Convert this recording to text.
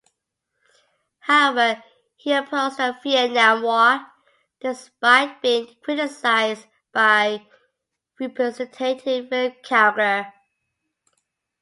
However, he opposed the Vietnam War despite being criticized by Representative William Cowger.